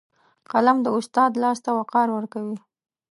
قلم د استاد لاس ته وقار ورکوي